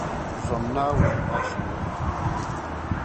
Zom Naawuni ashilo ni.